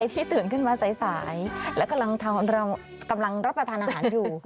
ที่ตื่นขึ้นมาสายและกำลังรับประทานอาหารอยู่